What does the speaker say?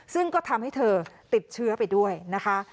ซึ่งก็ทำให้เธอติดเชื้อไปด้วยนะคะ